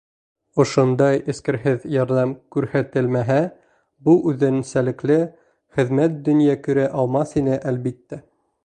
Ошондай эскерһеҙ ярҙам күрһәтелмәһә, был үҙенсәлекле хеҙмәт донъя күрә алмаҫ ине, әлбиттә.